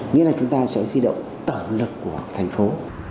nghĩa là chúng ta sẽ khuy động tổn lực của thành phố